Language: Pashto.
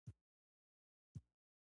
ټولنیز منزلت هم په انحصار کې راولي.